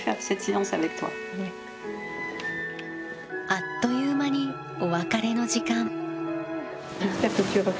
あっという間にお別れの時間。